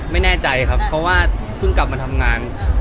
ไม่แน่ใจจะเพิ่งกลับมาทำงาน